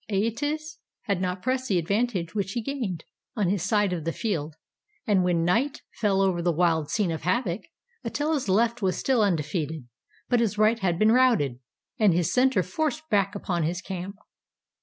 Aetius had not pressed the advantage which he gained on his side of the field, and when night fell over the wild scene of havoc, Attila's left was still undefeated, but his right had been routed, and his center forced back upon his camp.